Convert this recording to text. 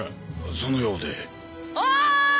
そのようでおーい！